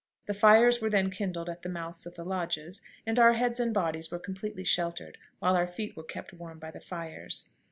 The fires were then kindled at the mouths of the lodges, and our heads and bodies were completely sheltered, while our feet were kept warm by the fires.